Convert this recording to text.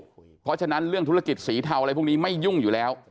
เพราะฉะนั้นเรื่องธุรกิจสีเทาอะไรพวกนี้ไม่ยุ่งอยู่แล้ว